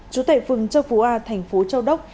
chủ tệ phường châu phú a thành phố châu đốc